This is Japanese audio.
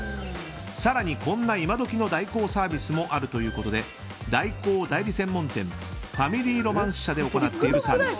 更にこんな今どきの代行サービスもあるということで代行代理専門店ファミリーロマンス社で行っているサービス。